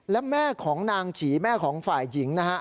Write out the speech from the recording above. และแม่ของนางฉีแม่ของฝ่ายหญิงนะฮะ